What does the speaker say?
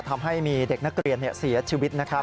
ทำให้มีเด็กนักเรียนเสียชีวิตนะครับ